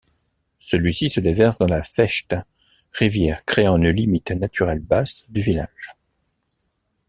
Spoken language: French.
Celui-ci se déverse dans la Fecht, rivière créant une limite naturelle basse du village.